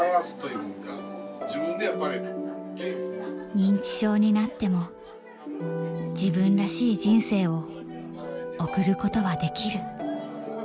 認知症になっても自分らしい人生を送ることはできる。